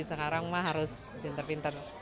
sekarang mah harus pinter pinter